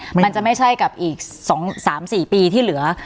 มันจะไม่ใช่กับอีก๒๓๔ปีที่เหลือ